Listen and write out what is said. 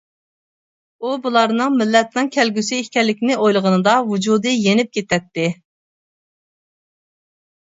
ئۇ بۇلارنىڭ مىللەتنىڭ كەلگۈسى ئىكەنلىكىنى ئويلىغىنىدا ۋۇجۇدى يېنىپ كېتەتتى.